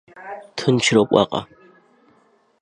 Ҭынчроуп уаҟа.